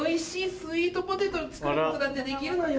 スイートポテトを作ることだってできるのよ。